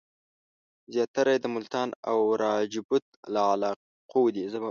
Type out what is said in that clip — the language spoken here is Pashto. زیاتره یې د ملتان او راجپوت له علاقو دي.